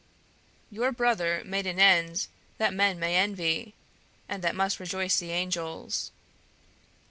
"Your brother made an end that men may envy, and that must rejoice the angels.